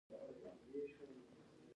قانون عام او مجرد دی.